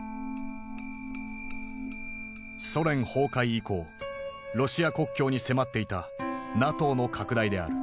ソ連崩壊以降ロシア国境に迫っていたＮＡＴＯの拡大である。